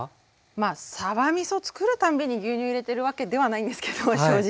まあさばみそつくる度に牛乳入れてるわけではないんですけど正直。